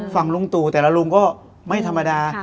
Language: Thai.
ฝั่งลุงตู่แต่ละลุงก็ไม่ธรรมดา